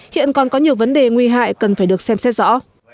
hiện còn có nhiều vấn đề nguy hại cần phải được xem xét rõ